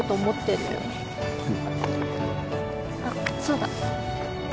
あっそうだ。